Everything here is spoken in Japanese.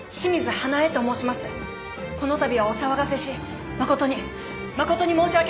この度はお騒がせし誠に誠に申し訳ございません！